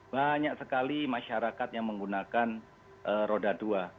banyak sekali masyarakat yang menggunakan roda dua